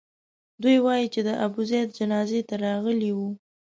دوی وو چې د ابوزید جنازې ته راغلي وو.